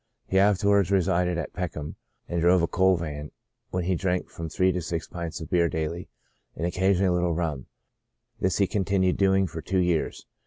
He afterwards resided at Peckham, and drove a coal van, when he drank from three to six pints of beer daily, and occasion ally a little rum; this he continued doing for two years.